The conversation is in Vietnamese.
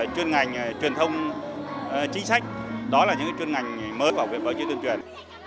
chuyên ngành truyền thông chính sách đó là những chuyên ngành mới của học viện báo chí tuyển truyền